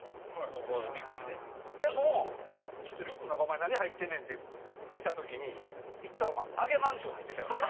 でも「リュックの中お前何入ってんねん？」って見た時に１回お前揚げまんじゅう入ってたよな？